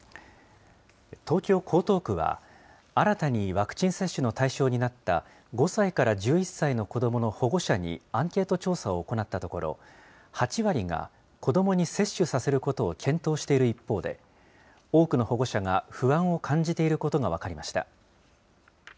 東京・江東区は、新たにワクチン接種の対象になった５歳から１１歳の子どもの保護者にアンケート調査を行ったところ、８割が子どもに接種させることを検討している一方で、多くの保護者が不安を感じていることが分かりました。